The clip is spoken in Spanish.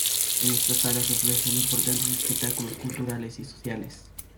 En esta sala se ofrecen importantes espectáculos culturales y sociales.